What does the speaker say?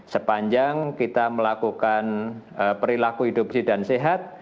sepanjang kita melakukan perilaku hidup bersih dan sehat